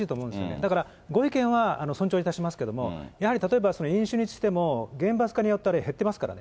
だから、ご意見は尊重いたしますけれども、やはり例えば飲酒にしても、厳罰化によって減ってますからね。